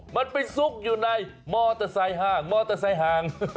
ไม่ไปสุกอยู่ในมอเตอร์ไซค์ฮ่าง